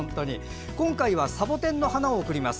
今回はサボテンの花を送ります。